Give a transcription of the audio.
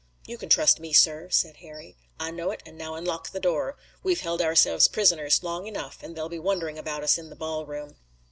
"You can trust me, sir," said Harry. "I know it, and now unlock the door. We've held ourselves prisoners long enough, and they'll be wondering about us in the ballroom."